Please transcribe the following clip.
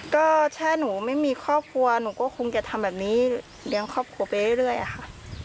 ก็ถ้าหนูไม่มีครอบครัวหนูก็คงจะทำแบบนี้เลี้ยงครอบครัวไปเรื่อยค่ะ